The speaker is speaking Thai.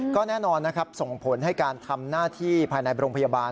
ก็แน่นอนนะครับส่งผลให้การทำหน้าที่ภายในโรงพยาบาล